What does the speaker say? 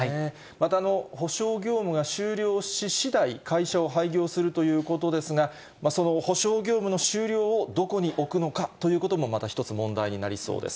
また補償業務が終了ししだい、会社を廃業するということですが、その補償業務の終了をどこに置くのかということもまた一つ、問題になりそうです。